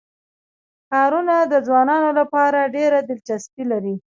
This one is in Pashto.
ښارونه د ځوانانو لپاره ډېره دلچسپي لري.